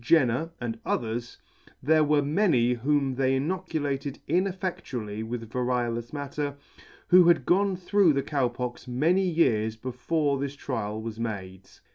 Jenner, and others, there were many whom they inoculated ineffedtually with variolous matter, who had gone through the Cow Pox many years before this trial was made.